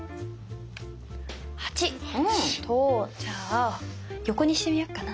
８。とじゃあ横にしてみよっかな？